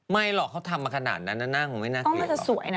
ไม่หรอกเขาทำมาขนาดนั้นน่ะนางไม่น่าเกลียดหรอกต้องก็จะสวยนะ